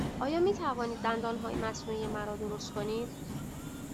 آیا می توانید دندانهای مصنوعی مرا درست کنید؟